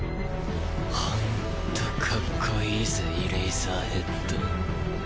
本っ当かっこいいぜイレイザーヘッド。